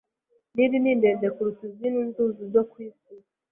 Nili ni ndende kuruta izindi nzuzi zo ku isi.